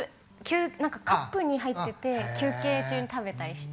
カップに入ってて休憩中に食べたりして。